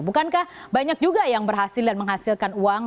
bukankah banyak juga yang berhasil dan menghasilkan uang